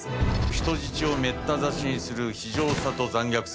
人質をめった刺しにする非情さと残虐性。